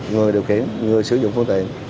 người điều khiển người sử dụng phương tiện